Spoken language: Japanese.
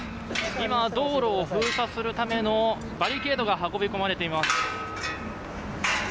今、道路を封鎖するためのバリケードが運び込まれています。